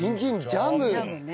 ジャムね。